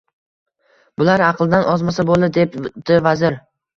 – Bular aqldan ozmasa bo‘ldi, – debdi vazir.